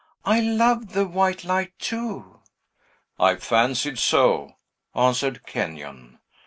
I love the white light too!" "I fancied so," answered Kenyon.